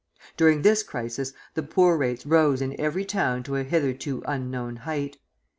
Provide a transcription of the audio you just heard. During this crisis the poor rates rose in every town to a hitherto unknown height.